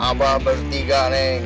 abah bertiga neng